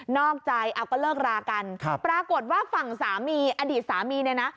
อกใจเอาก็เลิกรากันครับปรากฏว่าฝั่งสามีอดีตสามีเนี่ยนะ